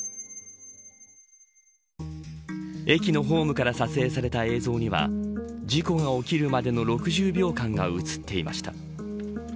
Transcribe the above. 駅のホームから撮影された映像には事故が起きるまでの６０秒間が映っていました。